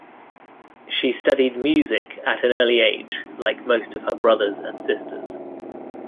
She studied music at an early age like most of her brothers and sisters.